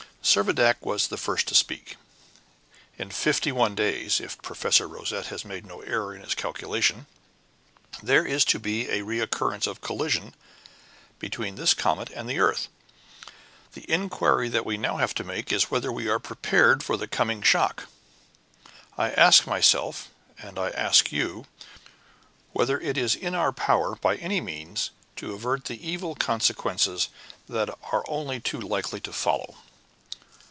Servadac was the first to speak. "In fifty one days, if Professor Rosette has made no error in his calculations, there is to be a recurrence of collision between this comet and the earth. The inquiry that we have now to make is whether we are prepared for the coming shock. I ask myself, and I ask you, whether it is in our power, by any means, to avert the evil consequences that are only too likely to follow?"